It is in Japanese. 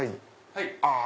はい。